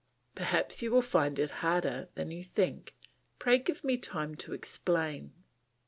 "Perhaps you will find it harder than you think. Pray give me time to explain.